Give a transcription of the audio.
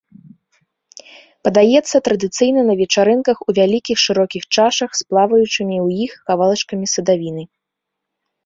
Падаецца традыцыйна на вечарынках у вялікіх шырокіх чашах, з плаваючымі ў іх кавалачкамі садавіны.